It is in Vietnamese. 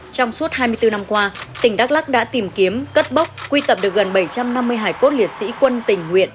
trong suốt hai mươi bốn năm qua tỉnh đắk lắc đã tìm kiếm cất bốc quy tập được gần bảy trăm năm mươi hải cốt liệt sĩ quân tình nguyện